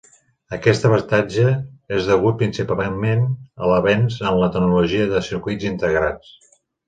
Aquest avantatge és degut principalment a l'avenç en la tecnologia de circuits integrats.